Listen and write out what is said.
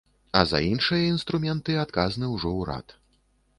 А за іншыя інструменты адказны ўжо ўрад.